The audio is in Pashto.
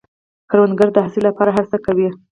کروندګر د حاصل لپاره هره هڅه کوي